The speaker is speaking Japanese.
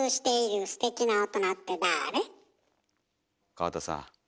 川田さん。